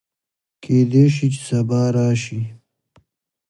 کېدی شي چې سبا راشي